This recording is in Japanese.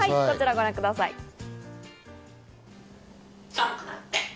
こちらをご覧ください。